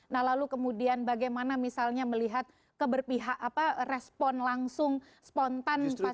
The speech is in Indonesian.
nah lalu kemudian bagaimana misalnya melihat keberpihak apa respon langsung spontan pasangan calon